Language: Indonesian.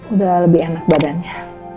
udah lebih enak badannya